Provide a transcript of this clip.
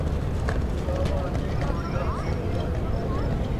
گھیو ڳاوا ، کھیر مان٘جھا ، ٻوہلی ٻاکری